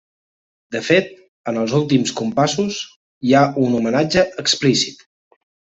De fet, en els últims compassos hi ha un homenatge explícit.